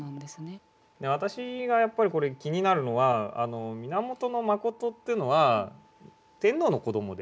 私がやっぱりこれ気になるのは源信っていうのは天皇の子どもである。